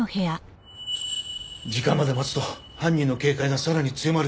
時間まで待つと犯人の警戒がさらに強まる危険が。